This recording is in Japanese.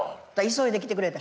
急いで来てくれて。